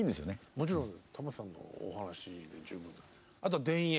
もちろん玉置さんのお話で十分です。